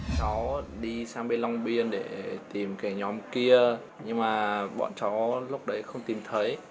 cháu đi sang bên long biên để tìm cái nhóm kia nhưng mà bọn cháu lúc đấy không tìm thấy